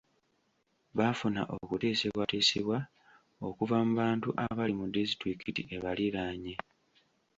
Baafuna okutiisibwatiisibwa okuva mu bantu abali mu disitulikiti ebaliraanye.